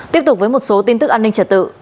tiếp tục với một số tin tức an ninh trật tự